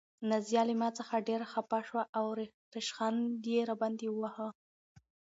نازیه له ما څخه ډېره خفه شوه او ریشخند یې راباندې واهه.